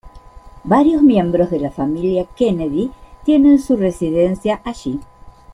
Varios miembros de la familia Kennedy tienen su residencia allí.